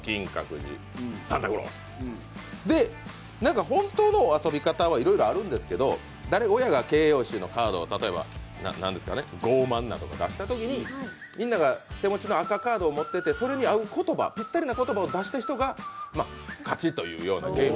で、本当の遊び方はなんでもあるんですけど親が形容詞のカードを例えば傲慢なとか出したときにみんなが手持ちに赤カードを持ってて、それに合う言葉、ぴったりな言葉を出した人が勝ちというゲーム。